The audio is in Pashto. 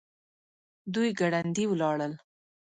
دوی ګړندي ولاړل.